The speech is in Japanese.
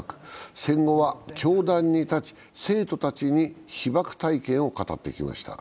戦後は教壇に立ち、生徒たちに被爆体験を語ってきました。